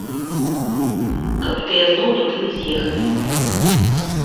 Каб тыя зноў туды не з'ехалі.